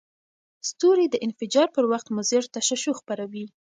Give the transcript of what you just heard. ستوري د انفجار پر وخت مضر تشعشع خپروي.